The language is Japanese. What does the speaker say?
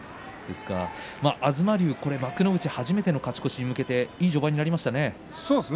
東龍、幕内初めての勝ち越しに向けていい序盤となりましたね。